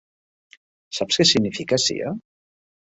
Saps què significa C.I.A.?